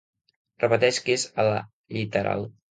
Repeteix que és a la lliteral.